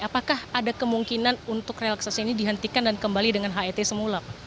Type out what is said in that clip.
apakah ada kemungkinan untuk relaksasi ini dihentikan dan kembali dengan het semula pak